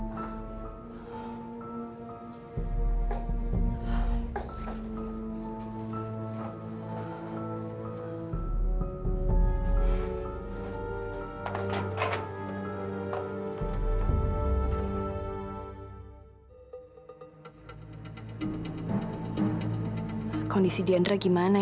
pertanyaannya lagi seperti gimana